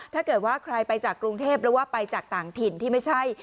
ถ้าเกิดว่าใครไปจากกรุงเทพหรือว่าไปจากต่างถิ่นที่ไม่ใช่